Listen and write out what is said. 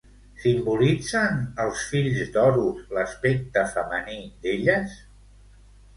Simbolitzen els fills d'Horus l'aspecte femení d'elles?